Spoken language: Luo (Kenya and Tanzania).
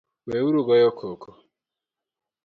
Weuru goyo koko